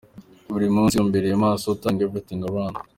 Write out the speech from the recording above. ‘Buri munsi’, ‘Umbereye maso’, ‘Turning everything around